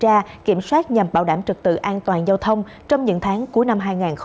đây là một tuần tra kiểm soát nhằm bảo đảm trực tự an toàn giao thông trong những tháng cuối năm hai nghìn hai mươi hai